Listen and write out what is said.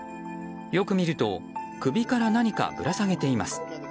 よく見ると首から何かぶら下げています。